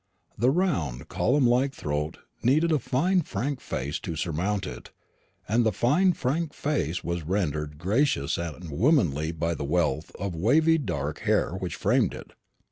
The round column like throat needed a fine frank face to surmount it, and the fine frank face was rendered gracious and womanly by the wealth of waving dark hair which framed it.